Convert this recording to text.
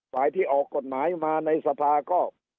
ฝ่ายที่ออกกฎหมายมาในสภาก็